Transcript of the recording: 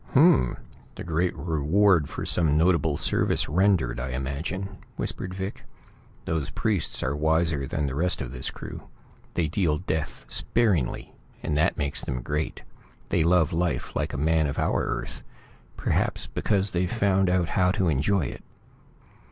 "Hm m! The great reward for some notable service rendered, I imagine," whispered Vic. "Those priests are wiser than the rest of this crew. They deal death sparingly, and that makes them great. They love life like a man of our earth; perhaps because they've found out how to enjoy it."